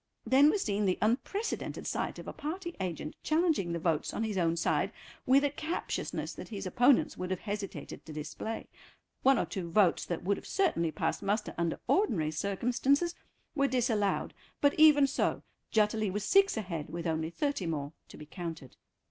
Then was seen the unprecedented sight of a party agent challenging the votes on his own side with a captiousness that his opponents would have hesitated to display. One or two votes that would have certainly passed muster under ordinary circumstances were disallowed, but even so Jutterly was six ahead with only thirty more to be counted.